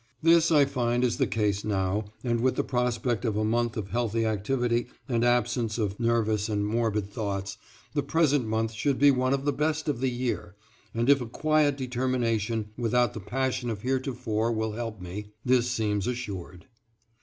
This I find is the case now and with the prospect of a month of healthy activity and absence of nervous and morbid thoughts the present month should be one of the best of the year, and if a quiet determination without the passion of heretofore will help me, this seems assured.